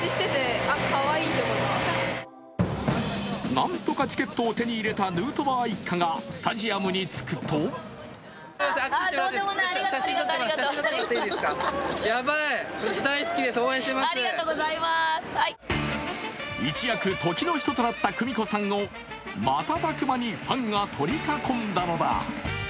何とかチケットを手に入れたヌートバー一家がスタジアムに着くと一躍時の人となった久美子さんを瞬く間にファンが取り囲んだのだ。